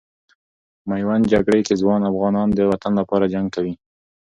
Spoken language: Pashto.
میوند جګړې کې ځوان افغانان د وطن لپاره جنګ کوي.